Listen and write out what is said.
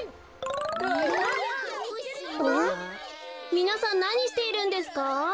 みなさんなにしているんですか？